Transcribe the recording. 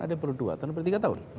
ada yang perlu dua sampai tiga tahun